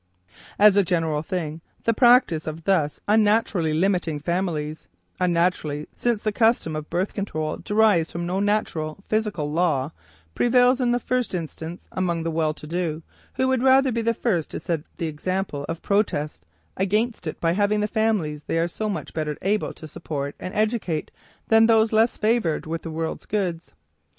As a general thing, the practice of thus unnaturally limiting families "unnaturally" since the custom of "birth control" derives from no natural, physical law prevails, in the first instance, among the well to do, who should rather be the first to set the example of protest against it by having the families they are so much better able to support and educate than those less favored with the world's goods.